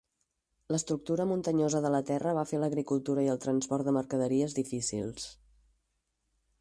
L'estructura muntanyosa de la terra va fer l'agricultura i el transport de mercaderies difícils.